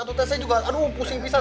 tete juga aduh pusing pisah